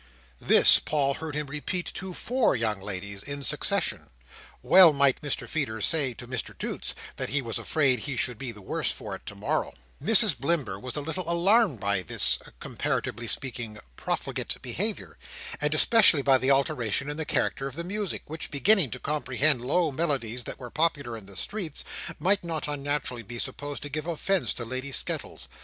This, Paul heard him repeat to four young ladies, in succession. Well might Mr Feeder say to Mr Toots, that he was afraid he should be the worse for it to morrow! Mrs Blimber was a little alarmed by this—comparatively speaking—profligate behaviour; and especially by the alteration in the character of the music, which, beginning to comprehend low melodies that were popular in the streets, might not unnaturally be supposed to give offence to Lady Skettles.